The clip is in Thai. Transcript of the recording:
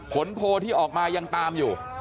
ผลโพลที่ออกมายังตามอยู่